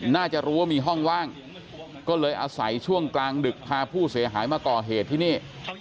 น่าจะรู้ว่ามีห้องว่างก็เลยอาศัยช่วงกลางดึกพาผู้เสียหายมาก่อเหตุที่นี่